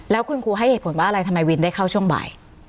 แล้วคุณครูให้เหตุผลว่าอะไรทำไมวินได้เข้าช่วงบ่าย